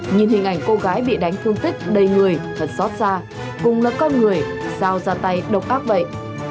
nhìn hình ảnh cô gái bị đánh thương tích đầy người thật xót xa cùng là con người dao ra tay độc ác vậy